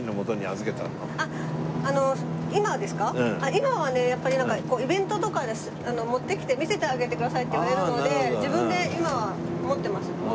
今はねやっぱりなんかイベントとかで持ってきて見せてあげてくださいって言われるので。